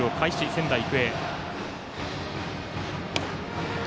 仙台育英。